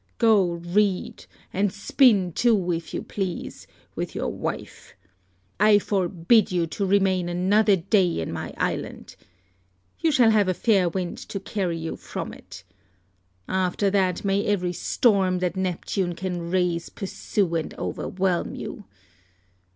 Go read, and spin too, if you please, with your wife. I forbid you to remain another day in my island. You shall have a fair wind to carry you from it. After that may every storm that Neptune can raise pursue and overwhelm you.